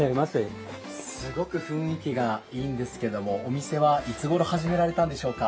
すごく雰囲気がいいんですけどもお店はいつごろ始められたんでしょうか？